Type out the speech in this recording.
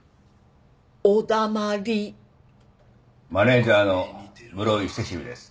マネジャーの室井セシルです。